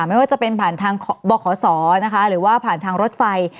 ไม่ว่าจะเป็นผ่านทางบขศนะคะหรือว่าผ่านทางรถไฟ